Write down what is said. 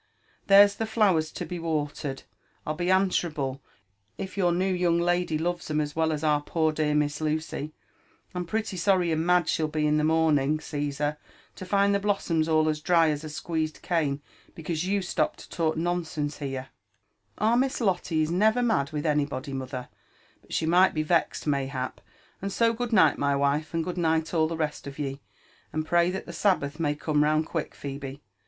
'' There's the flowers to be watered, I'll be answerable, if your new young lady loves 'em as well as our poor dear Miss Lucy ; and pretty sorry and mad she'll be in the morning, Cesar, 96S LIFE AND ADVENTURES OF to find the blossoms all as dry as a squeezed cane, because you stopped to talk nonsense here/' " Our Miss Lotle is never mad with anybody, mother, but she might be vexed mayhap ; and so good night, my veife, and good night all the rest of ye, and pray that the Sabbath may come round quick, Phebe.